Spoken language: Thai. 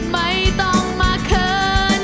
ไม่ต้องมาเขิน